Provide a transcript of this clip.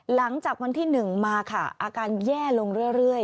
หลังจากวันที่๑มาค่ะอาการแย่ลงเรื่อย